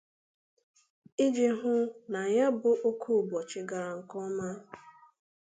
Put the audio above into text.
iji hụ na ya bụ oke ụbọchị gara nke ọma